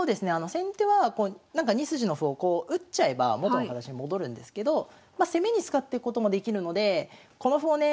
先手は２筋の歩をこう打っちゃえば元の形に戻るんですけど攻めに使っていくこともできるのでこの歩をね